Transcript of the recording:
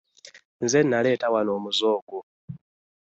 Nze naleeta wano omuze ogwo.